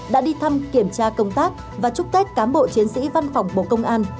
đã đi thăm kiểm tra công tác và chúc tết cán bộ chiến sĩ văn phòng bộ công an